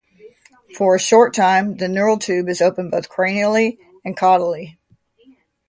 For a short time, the neural tube is open both cranially and caudally.